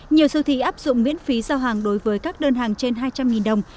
nhiều siêu thị áp dụng miễn phí giao hàng đối với các đơn hàng trên hai trăm linh đồng